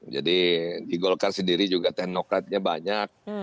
jadi di golkar sendiri juga tenokratnya banyak